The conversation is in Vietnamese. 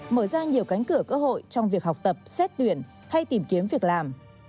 mở ra nhiều cánh cửa cơ hội trong việc học tập xét tuyển hay tìm kiếm việc làm